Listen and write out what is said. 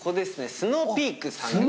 スノーピークさん。